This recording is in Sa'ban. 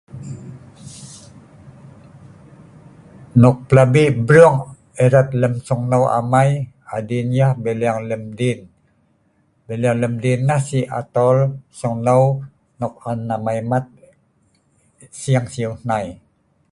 Nok pelabi brung irat lem sungneu amai adin yah bileng lemdin. Bileng lemdin nah si atol sungneu nok an amai mat sing siu hnai.